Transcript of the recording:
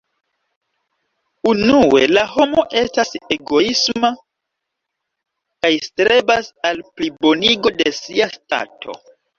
Unue, la homo estas egoisma kaj strebas al plibonigo de sia stato.